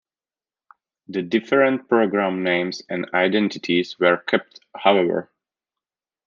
The different programme names and identities were kept, however.